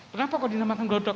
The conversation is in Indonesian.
kenapa kok dinamakan gelodok